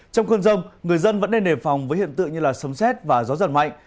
trong khuôn rông người dân vẫn nên nềm phòng với hiện tượng như sông xét và gió giật mạnh